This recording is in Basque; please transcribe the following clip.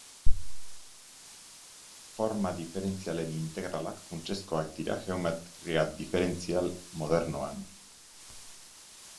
Forma diferentzialen integralak funtsezkoak dira geometria diferentzial modernoan.